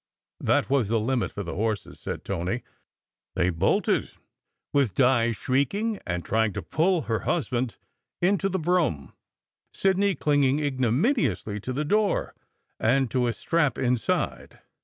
That was the "limit" for the horses, said Tony. They bolted, with Di shrieking and trying to pull her husband into the brougham, Sidney clinging ignominiously to the door, and to a strap inside.